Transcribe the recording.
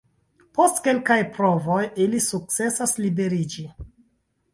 Post kelkaj provoj, ili sukcesas liberiĝi.